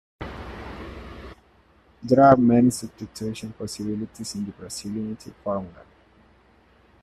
There are many substitution possibilities in the brazilianite formula.